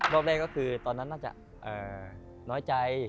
รอบแรกก็คือตอนนั้นน่าจะน้อยใจ